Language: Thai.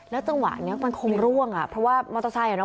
จังหวะนี้มันคงร่วงอ่ะเพราะว่ามอเตอร์ไซค์อ่ะ